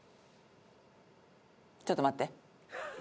ちょっと待ってね。